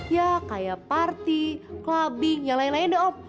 ya kayak party clubbing yang lain lain deh om